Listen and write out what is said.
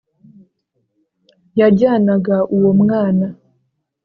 Yajyanaga uwo mwana